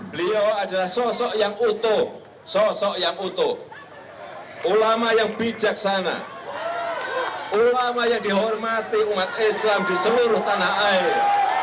beliau adalah sosok yang utuh sosok yang utuh ulama yang bijaksana ulama yang dihormati umat islam di seluruh tanah air